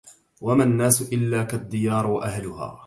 وما الناس إلا كالديار وأهلها